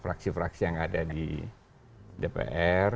fraksi fraksi yang ada di dpr